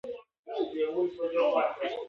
کارګر په اندیښنې وویل: "ښه، صاحب، زه پیسې نلرم..."